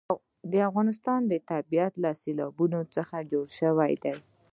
د افغانستان طبیعت له سیلابونه څخه جوړ شوی دی.